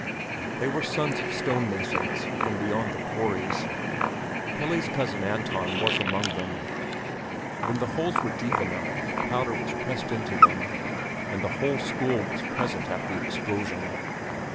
They were sons of stone masons from beyond the quarries. Pelle's cousin Anton was among them. When the holes were deep enough, powder was pressed into them, and the whole school was present at the explosion.